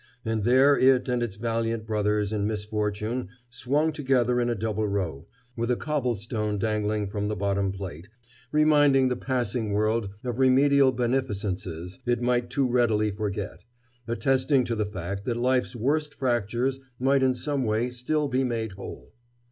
And there it and its valiant brothers in misfortune swung together in a double row, with a cobblestone dangling from the bottom plate, reminding the passing world of remedial beneficences it might too readily forget, attesting to the fact that life's worst fractures might in some way still be made whole.